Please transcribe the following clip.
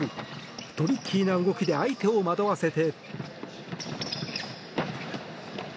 トリッキーな動きで相手を惑わせて。